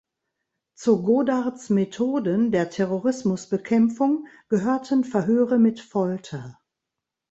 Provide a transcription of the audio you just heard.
Zu Godards Methoden der Terrorismusbekämpfung gehörten Verhöre mit Folter.